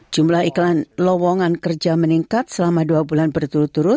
jumlah iklan lowongan kerja meningkat selama dua bulan berturut turut